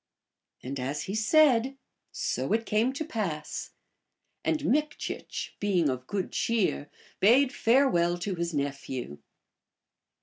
And as he said, so it came to pass ; and Mikchich, being of good cheer, bade farewell to his nephew.